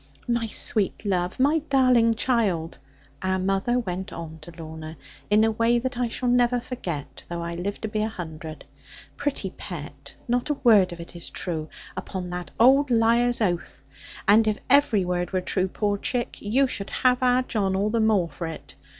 'My sweet love, my darling child,' our mother went on to Lorna, in a way that I shall never forget, though I live to be a hundred; 'pretty pet, not a word of it is true, upon that old liar's oath; and if every word were true, poor chick, you should have our John all the more for it.